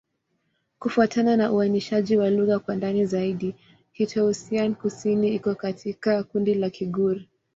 Kufuatana na uainishaji wa lugha kwa ndani zaidi, Kitoussian-Kusini iko katika kundi la Kigur.